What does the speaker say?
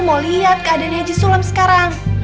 mau liat keadaan si sulap sekarang